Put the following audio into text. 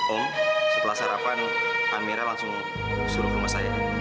om setelah sarapan amira langsung suruh rumah saya